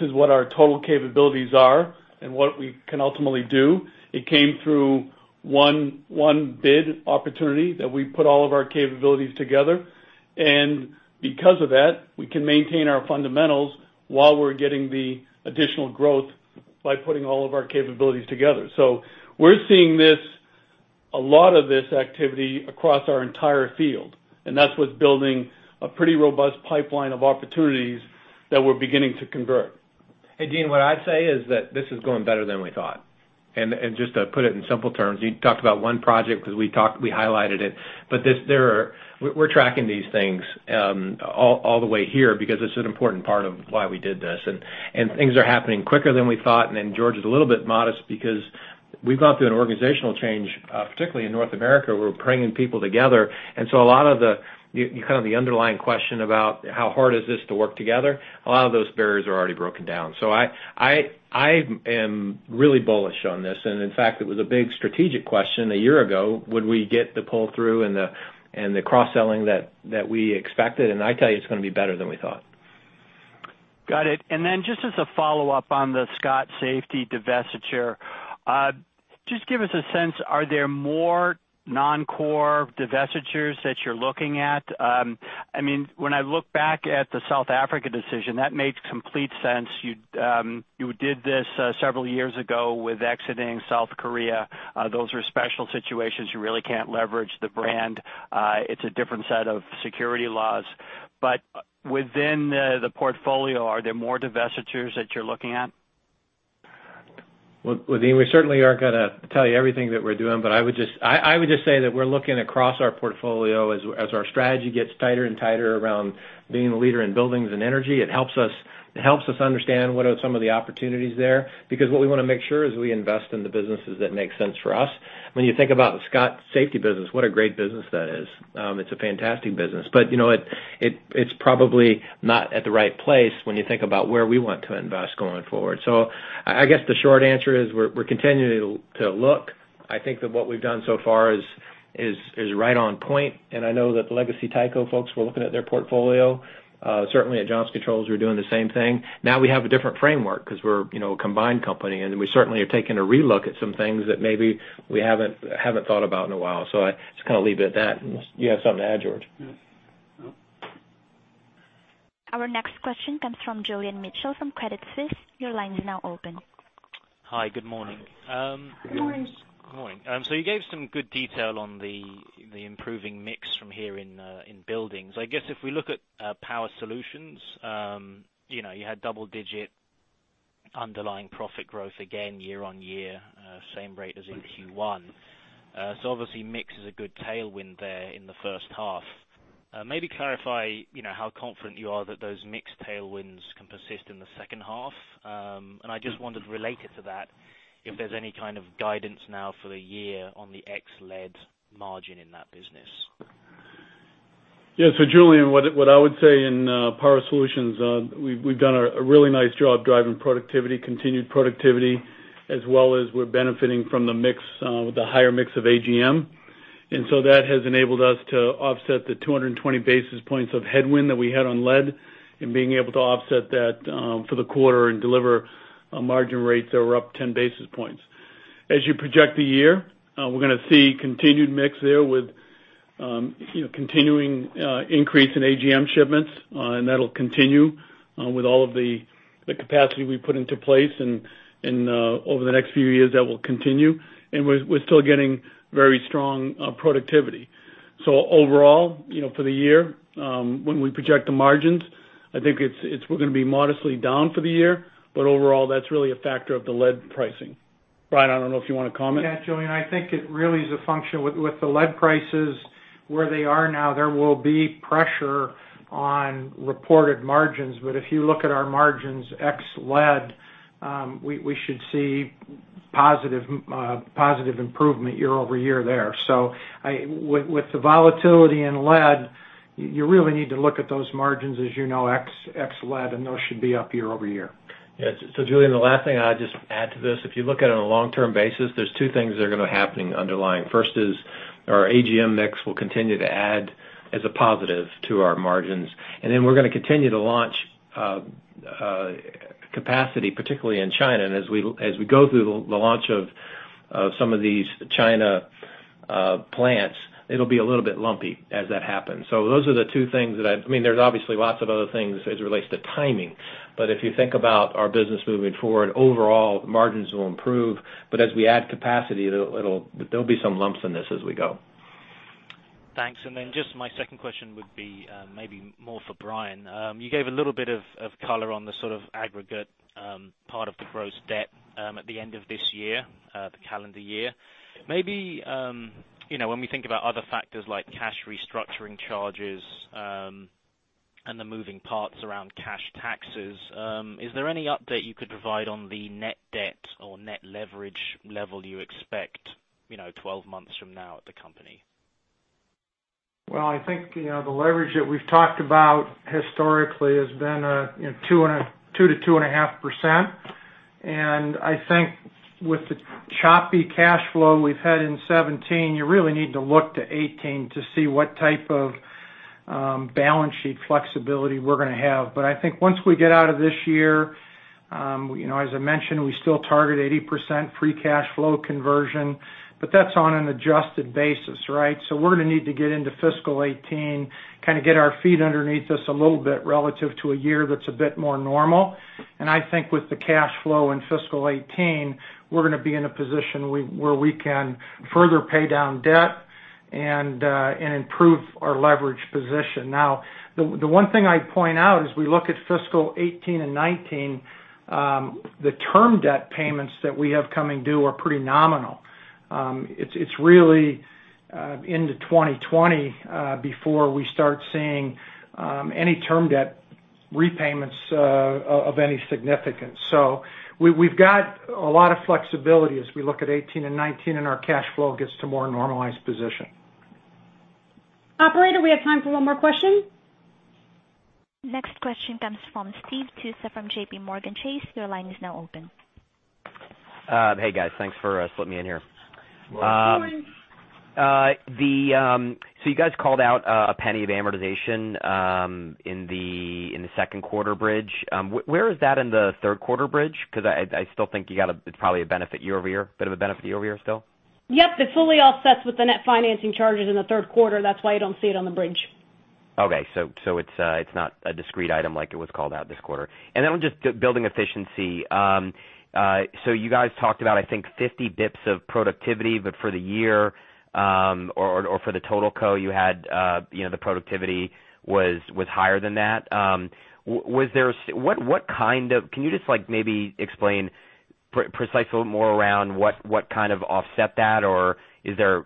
S4: is what our total capabilities are and what we can ultimately do." It came through one bid opportunity that we put all of our capabilities together. Because of that, we can maintain our fundamentals while we're getting the additional growth by putting all of our capabilities together. We're seeing this A lot of this activity across our entire field, that's what's building a pretty robust pipeline of opportunities that we're beginning to convert.
S3: Deane, what I'd say is that this is going better than we thought. Just to put it in simple terms, you talked about one project because we highlighted it, but we're tracking these things all the way here because it's an important part of why we did this. Things are happening quicker than we thought, George is a little bit modest because we've gone through an organizational change, particularly in North America. We're bringing people together, you kind of the underlying question about how hard is this to work together, a lot of those barriers are already broken down. I am really bullish on this. In fact, it was a big strategic question a year ago, would we get the pull-through and the cross-selling that we expected? I tell you, it's going to be better than we thought.
S9: Got it. Just as a follow-up on the Scott Safety divestiture, just give us a sense, are there more non-core divestitures that you're looking at? When I look back at the South Africa decision, that makes complete sense. You did this several years ago with exiting South Korea. Those are special situations. You really can't leverage the brand. It's a different set of security laws. Within the portfolio, are there more divestitures that you're looking at?
S3: Well, Deane, we certainly aren't going to tell you everything that we're doing, I would just say that we're looking across our portfolio as our strategy gets tighter and tighter around being a leader in buildings and energy. It helps us understand what are some of the opportunities there. What we want to make sure is we invest in the businesses that make sense for us. When you think about the Scott Safety business, what a great business that is. It's a fantastic business. It's probably not at the right place when you think about where we want to invest going forward. I guess the short answer is we're continuing to look. I think that what we've done so far is right on point, I know that the legacy Tyco folks were looking at their portfolio. Certainly, at Johnson Controls, we're doing the same thing. Now we have a different framework because we're a combined company, we certainly are taking a relook at some things that maybe we haven't thought about in a while. I just leave it at that. Unless you have something to add, George.
S4: No.
S1: Our next question comes from Julian Mitchell from Credit Suisse. Your line is now open.
S10: Hi. Good morning.
S4: Good morning.
S10: Good morning. You gave some good detail on the improving mix from here in buildings. If we look at Power Solutions, you had double-digit underlying profit growth again year-over-year, same rate as in Q1. Obviously, mix is a good tailwind there in the first half. Maybe clarify how confident you are that those mix tailwinds can persist in the second half. I just wondered related to that, if there's any kind of guidance now for the year on the ex-lead margin in that business.
S4: Julian, what I would say in Power Solutions, we've done a really nice job driving productivity, continued productivity, as well as we're benefiting from the higher mix of AGM. That has enabled us to offset the 220 basis points of headwind that we had on lead, and being able to offset that for the quarter and deliver margin rates that were up 10 basis points. As you project the year, we're going to see continued mix there with continuing increase in AGM shipments, and that'll continue with all of the capacity we put into place over the next few years. We're still getting very strong productivity. Overall, for the year, when we project the margins, I think we're going to be modestly down for the year, overall, that's really a factor of the lead pricing.
S3: Brian, I don't know if you want to comment.
S5: Julian, I think it really is a function with the lead prices where they are now, there will be pressure on reported margins. If you look at our margins ex-lead, we should see positive improvement year-over-year there. With the volatility in lead, you really need to look at those margins as you know ex-lead, and those should be up year-over-year.
S4: Julian, the last thing I'd just add to this, if you look at it on a long-term basis, there's two things that are going to happen underlying. First is our AGM mix will continue to add as a positive to our margins. We're going to continue to launch capacity, particularly in China. As we go through the launch of some of these China plants, it'll be a little bit lumpy as that happens. Those are the two things that There's obviously lots of other things as it relates to timing. If you think about our business moving forward, overall margins will improve. As we add capacity, there'll be some lumps in this as we go.
S10: Thanks. Just my second question would be maybe more for Brian. You gave a little bit of color on the sort of aggregate part of the gross debt at the end of this year, the calendar year. Maybe when we think about other factors like cash restructuring charges, and the moving parts around cash taxes, is there any update you could provide on the net debt or net leverage level you expect 12 months from now at the company?
S3: Well, I think the leverage that we've talked about historically has been 2%-2.5%. I think with the choppy cash flow we've had in 2017, you really need to look to 2018 to see what type of balance sheet flexibility we're going to have. I think once we get out of this year
S5: As I mentioned, we still target 80% free cash flow conversion, but that's on an adjusted basis, right? We're going to need to get into fiscal 2018, kind of get our feet underneath us a little bit relative to a year that's a bit more normal. I think with the cash flow in fiscal 2018, we're going to be in a position where we can further pay down debt and improve our leverage position. Now, the one thing I'd point out as we look at fiscal 2018 and 2019, the term debt payments that we have coming due are pretty nominal. It's really into 2020, before we start seeing any term debt repayments of any significance. We've got a lot of flexibility as we look at 2018 and 2019 and our cash flow gets to more normalized position.
S2: Operator, we have time for one more question.
S1: Next question comes from Steve Tusa from JPMorgan Chase. Your line is now open.
S11: Hey, guys. Thanks for letting me in here.
S4: Of course.
S11: You guys called out $0.01 of amortization in the second quarter bridge. Where is that in the third quarter bridge? Because I still think it's probably a bit of a benefit year-over-year still.
S2: Yes. It fully offsets with the net financing charges in the third quarter. That's why you don't see it on the bridge.
S11: Okay. It's not a discrete item like it was called out this quarter. Building efficiency. You guys talked about, I think, 50 basis points of productivity, but for the year, or for the total co, you had the productivity was higher than that. Can you just maybe explain precisely more around what kind of offset that, or is there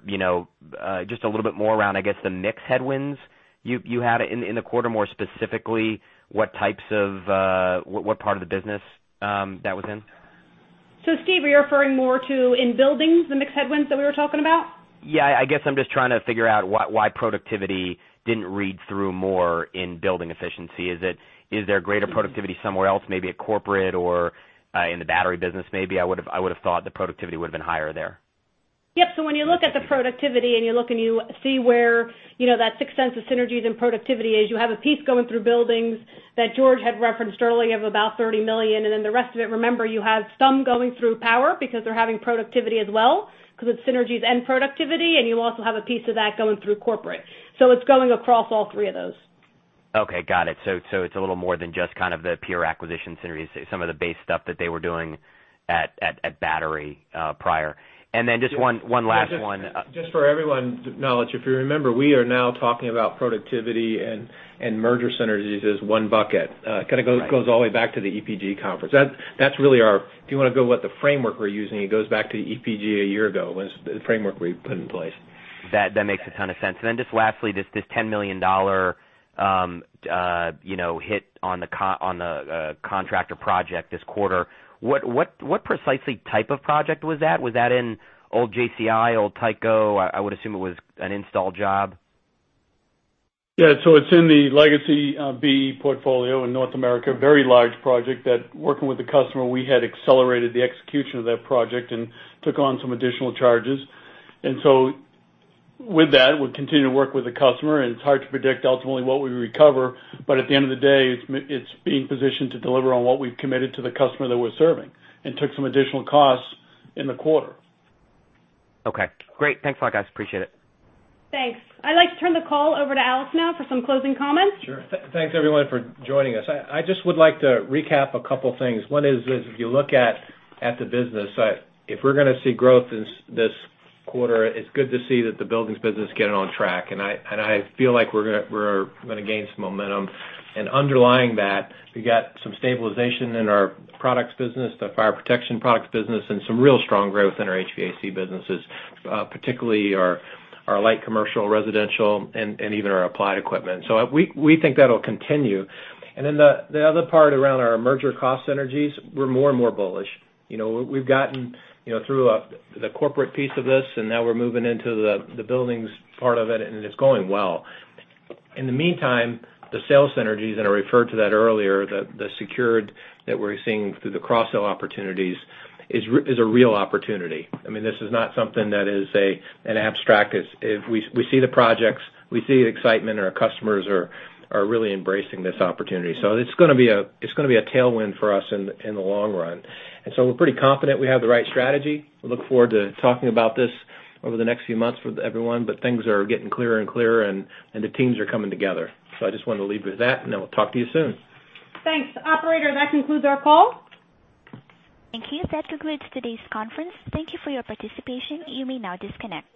S11: just a little bit more around, I guess, the mix headwinds you had in the quarter? More specifically, what part of the business that was in?
S2: Steve, were you referring more to in buildings, the mix headwinds that we were talking about?
S11: I guess I'm just trying to figure out why productivity didn't read through more in building efficiency. Is there greater productivity somewhere else, maybe at corporate or in the Power Solutions business maybe? I would've thought the productivity would've been higher there.
S2: When you look at the productivity and you look and you see where that $0.06 of synergies and productivity is, you have a piece going through buildings that George had referenced earlier of about $30 million. The rest of it, remember, you have some going through Power Solutions because they're having productivity as well because it's synergies and productivity. You also have a piece of that going through corporate. It's going across all three of those.
S11: Okay, got it. It's a little more than just kind of the pure acquisition synergies, some of the base stuff that they were doing at Power Solutions prior. Then just one last one.
S3: Just for everyone's knowledge, if you remember, we are now talking about productivity and merger synergies as one bucket. Kind of goes all the way back to the EPG conference. If you want to go what the framework we're using, it goes back to EPG a year ago, was the framework we put in place.
S11: That makes a ton of sense. Just lastly, this $10 million hit on the contractor project this quarter. What precisely type of project was that? Was that in old JCI, old Tyco? I would assume it was an install job.
S4: Yeah. It's in the legacy BE portfolio in North America. Very large project that working with the customer, we had accelerated the execution of that project and took on some additional charges. With that, we continue to work with the customer and it's hard to predict ultimately what we recover. At the end of the day, it's being positioned to deliver on what we've committed to the customer that we're serving and took some additional costs in the quarter.
S11: Okay. Great. Thanks a lot, guys. Appreciate it.
S2: Thanks. I'd like to turn the call over to Alex now for some closing comments.
S3: Sure. Thanks everyone for joining us. I just would like to recap a couple things. One is, if you look at the business, if we're going to see growth this quarter, it's good to see that the buildings business getting on track. I feel like we're going to gain some momentum. Underlying that, we got some stabilization in our products business, the fire protection products business, and some real strong growth in our HVAC businesses, particularly our light commercial, residential, and even our applied equipment. We think that'll continue. The other part around our merger cost synergies, we're more and more bullish. We've gotten through the corporate piece of this and now we're moving into the buildings part of it and it's going well. In the meantime, the sales synergies that I referred to that earlier, the secured that we're seeing through the cross-sell opportunities is a real opportunity. This is not something that is an abstract. We see the projects, we see the excitement and our customers are really embracing this opportunity. It's going to be a tailwind for us in the long run. We're pretty confident we have the right strategy. We look forward to talking about this over the next few months with everyone, but things are getting clearer and clearer and the teams are coming together. I just wanted to leave you with that and then we'll talk to you soon.
S2: Thanks. Operator, that concludes our call.
S1: Thank you. That concludes today's conference. Thank you for your participation. You may now disconnect.